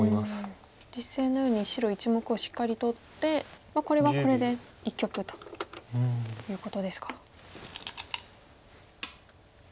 実戦のように白１目をしっかり取ってこれはこれで一局ということですか。